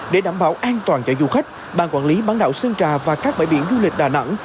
để đảm bảo an toàn cho du khách ban quản lý bán đảo sơn trà và các bãi biển du lịch đà nẵng